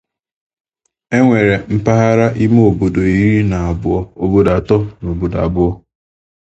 Enwere mpaghara ime obodo iri na abụọ, obodo atọ, na obodo abụọ.